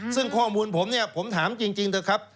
ซึ่งข้อมูลผมเนี่ยผมถามจริงเถอะครับ